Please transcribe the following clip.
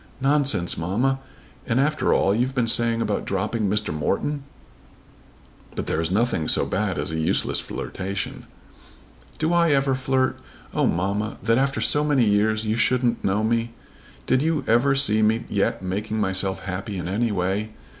"Nonsense, mamma! And after all you've been saying about dropping Mr. Morton!" "But there is nothing so bad as a useless flirtation." "Do I ever flirt? Oh, mamma, that after so many years you shouldn't know me! Did you ever see me yet making myself happy in any way?